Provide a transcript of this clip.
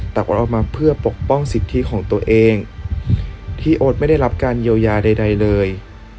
แต่โอ๊ตเอามาเพื่อปกป้องสิทธิของตัวเองที่โอ๊ตไม่ได้รับการเยียวยาใดเลย